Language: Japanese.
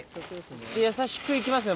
優しく行きますね